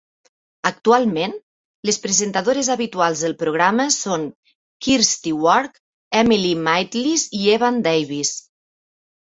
Actualment, les presentadores habituals del programa són Kirsty Wark, Emily Maitlis i Evan Davis.